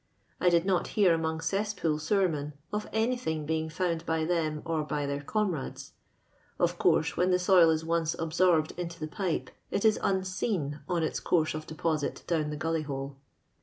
I did not hear among eesspool sewermen of' anything being found by them or by their comrades ; of course, when the soil is once absorbed into the pipe, it is unseen on its course of deposit down the gnllyhole.